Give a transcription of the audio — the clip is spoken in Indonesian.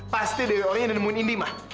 pasti dari orang yang nemuin indi ma